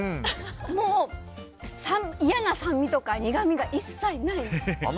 もう、嫌な酸味とか苦みが一切ない。